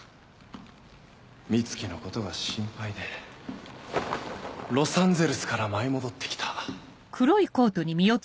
美月のことが心配でロサンゼルスから舞い戻って来た。